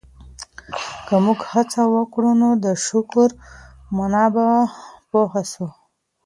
که موږ هڅه وکړو نو د شکر په مانا به پوه سو.